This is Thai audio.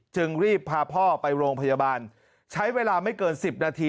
จึงรีบพาพ่อไปโรงพยาบาลใช้เวลาไม่เกิน๑๐นาที